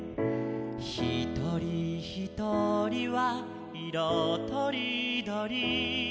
「ひとりひとりはいろとりどり」